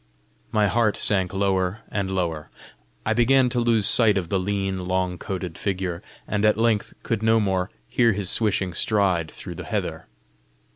My heart sank lower and lower. I began to lose sight of the lean, long coated figure, and at length could no more hear his swishing stride through the heather.